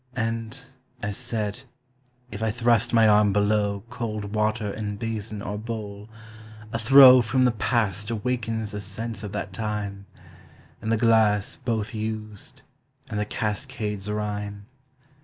And, as said, if I thrust my arm below Cold water in basin or bowl, a throe From the past awakens a sense of that time, And the glass both used, and the cascade's rhyme.